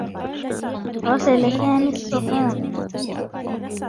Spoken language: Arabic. غسل سامي الصحون.